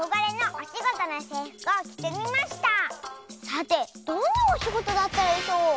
さてどんなおしごとだったでしょう？